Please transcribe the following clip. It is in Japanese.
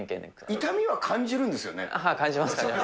痛みは感じるんですよね？